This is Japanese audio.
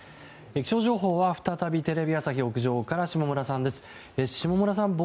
気象情報は再びテレビ朝日屋上から下村さんです。